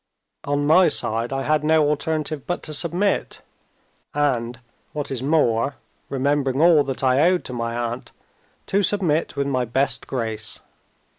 On my side, I had no alternative but to submit and, what is more (remembering all that I owed to my aunt), to submit with my best grace.